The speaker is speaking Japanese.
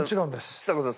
ちさ子さん